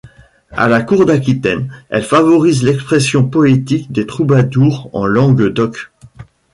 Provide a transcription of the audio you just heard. À la cour d'Aquitaine, elle favorise l'expression poétique des troubadours en langue d'oc.